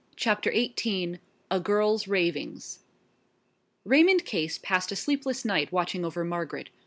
CHAPTER XVIII A GIRL'S RAVINGS Raymond Case passed a sleepless night watching over Margaret.